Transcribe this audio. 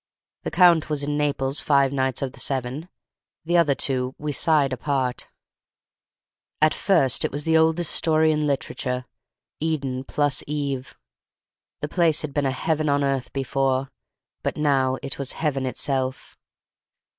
The Count was in Naples five nights of the seven; the other two we sighed apart. "At first it was the oldest story in literature—Eden plus Eve. The place had been a heaven on earth before, but now it was heaven itself.